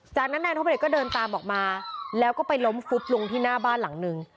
จากนั้นนายทบเดชนก็เดินตามออกมาแล้วก็ไปล้มฟุบลงที่หน้าบ้านหลังนึง